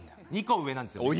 ２個上なんですよね